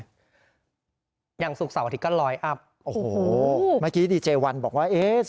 อย่างศุกร์เสาร์อาทิตย์ก็ลอยอัพโอ้โหเมื่อกี้ดีเจวันบอกว่าเอ๊ะ